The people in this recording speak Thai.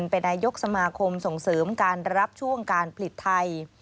เป็นนายกสมาคมส่งเสริมการรับช่วงการผลิตไทย